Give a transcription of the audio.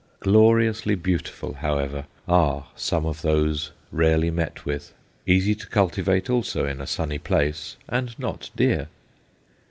Gloriously beautiful, however, are some of those rarely met with; easy to cultivate also, in a sunny place, and not dear.